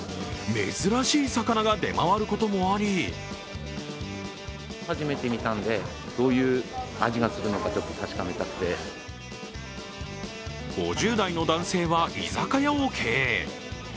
珍しい魚が出回ることもあり５０代の男性は、居酒屋を経営。